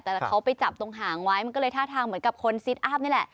แต่เขาไปจับตรงหางไว้มันก็เลยท่าทางเหมือนกับคนซิตอัพนี่แหละ